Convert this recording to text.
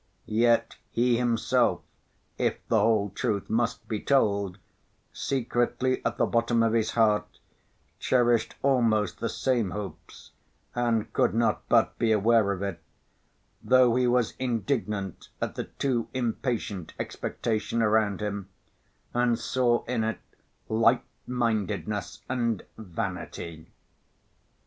Yet he himself (if the whole truth must be told), secretly at the bottom of his heart, cherished almost the same hopes and could not but be aware of it, though he was indignant at the too impatient expectation around him, and saw in it light‐mindedness and vanity.